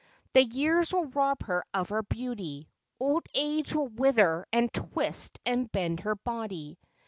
The years will rob her of her beauty. Old age will wither and twist and bend her body.